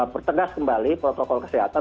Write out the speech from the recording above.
pertegas kembali protokol kesehatan